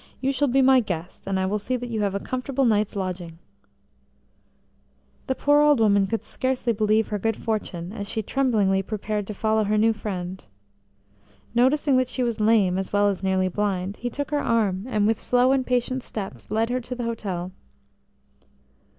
You shall be my guest, and I will see that you have a comfortable night's lodging." "THE COIN SLIPPED THROUGH HIS FINGERS" HE poor old woman could scarcely believe her good fortune, as she tremblingly prepared to follow her new friend. Noticing that she was lame as well as nearly blind, he took her arm, and with slow and patient steps led her to the hotel.